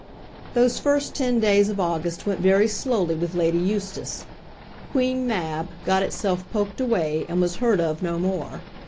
Those first ten days of August went very slowly with Lady Eustace. "Queen Mab" got itself poked away, and was heard of no more.